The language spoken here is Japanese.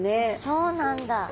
そうなんだ。